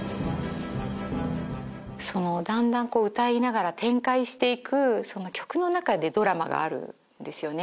そのだんだんこう歌いながら展開していくその曲の中でドラマがあるんですよね